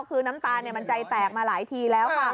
คือน้ำตาลมันใจแตกมาหลายทีแล้วค่ะ